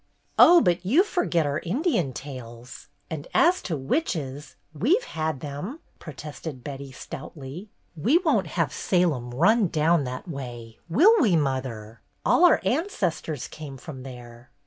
"Oh, but you forget our Indian tales 1 And as to witches, we 've had them," protested Betty, stoutly. "We won't have Salem run down that way, will we, mother? All our ancestors came from there."